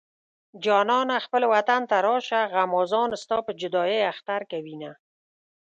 جانانه خپل وطن ته راشه غمازان ستا په جدايۍ اختر کوينه